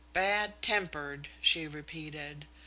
Bad tempered," she repeated.